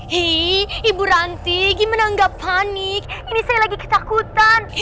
hei ibu ranti gimana anggap panik ini saya lagi ketakutan